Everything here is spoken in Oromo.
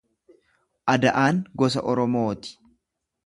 Ada'aan gosa Oromoo ti.